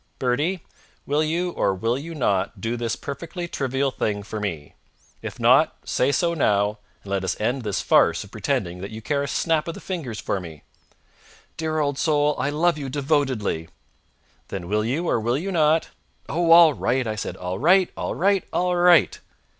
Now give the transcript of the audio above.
"Bertie, will you or will you not do this perfectly trivial thing for me? If not, say so now, and let us end this farce of pretending that you care a snap of the fingers for me." "Dear old soul, I love you devotedly!" "Then will you or will you not " "Oh, all right," I said. "All right! All right! All right!"